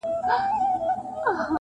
ما دې په سترګو کښې ليدله بلا